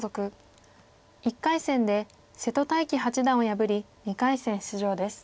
１回戦で瀬戸大樹八段を破り２回戦出場です。